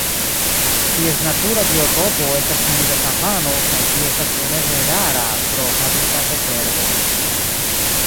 Ties natura biotopo estas humida savano, kaj ĝi estas iomete rara pro habitatoperdo.